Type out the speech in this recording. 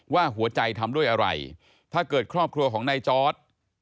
หัวใจทำด้วยอะไรถ้าเกิดครอบครัวของนายจอร์ด